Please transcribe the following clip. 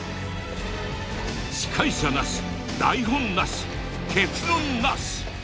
司会者なし台本なし結論なし。